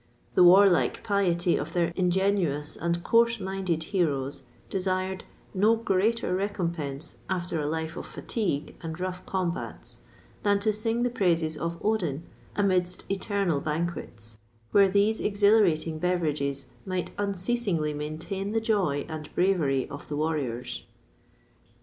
[XXVI 17] The warlike piety of their ingenuous and coarse minded heroes, desired no greater recompense, after a life of fatigue and rough combats, than to sing the praises of Odin amidst eternal banquets, where these exhilarating beverages might unceasingly maintain the joy and bravery of the warriors.